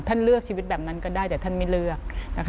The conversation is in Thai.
เลือกชีวิตแบบนั้นก็ได้แต่ท่านไม่เลือกนะคะ